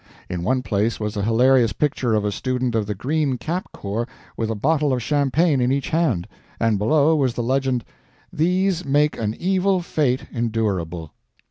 In one place was a hilarious picture of a student of the green cap corps with a bottle of champagne in each hand; and below was the legend: "These make an evil fate endurable."